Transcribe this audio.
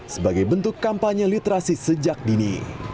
sebagai bentuk kampanye literasi sejak dini